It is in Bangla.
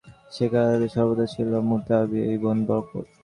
সেকালে তাদের সর্দার ছিল মুআবিয়া ইবন বকর।